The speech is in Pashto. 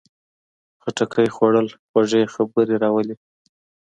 خټکی خوړل خوږې خبرې راولي.